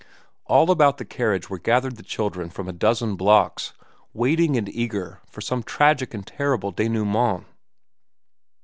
All about the carriage were gathered the children from a dozen blocks, waiting and eager for some tragic and terrible dénouement.